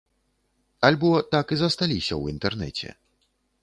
Альбо так і засталіся ў інтэрнэце?